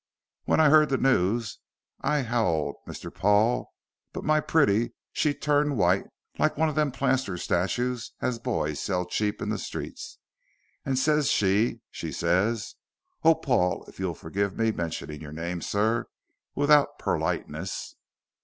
W'en I 'eard the noos I 'owled Mr. Paul, but my pretty she turned white like one of them plaster stateys as boys sell cheap in the streets, and ses she, she ses, 'Oh Paul' if you'll forgive me mentioning your name, sir, without perliteness."